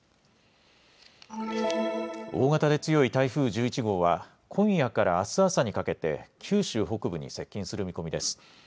大型で強い台風１１号は今夜からあす朝にかけて九州北部に接近する見込みです。